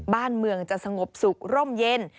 บ้านเมืองจะสงบสุขร่มเย็น